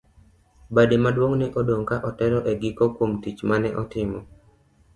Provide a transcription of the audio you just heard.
Bade maduong' ne odong' ka otelo e giko kuom tich mane otimo.